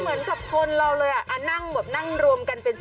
มาร่วมพลังกันแล้ว